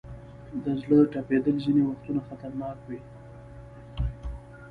د زړه ټپېدل ځینې وختونه خطرناک وي.